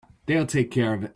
They'll take care of it.